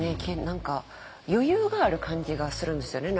何か余裕がある感じがするんですよね。